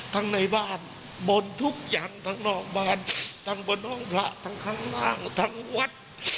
ในบ้านบนทุกอย่างทั้งนอกบ้านทั้งบนห้องพระทั้งข้างล่างทั้งวัด